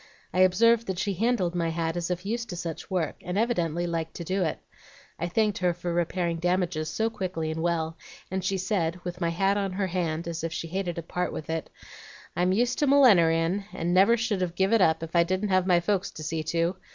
I observed that she handled my hat as if used to such work, and evidently liked to do it. I thanked her for repairing damages so quickly and well, and she said, with my hat on her hand, as if she hated to part with it, 'I'm used to millineryin' and never should have give it up, if I didn't have my folks to see to.